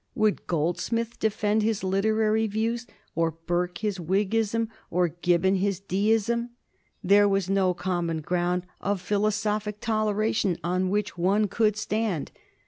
Would Goldsmith defend his literary views, or Burke his Whiggism, or Gibbon his Deism? There was no common ground of philosophic toleration on which one could stand.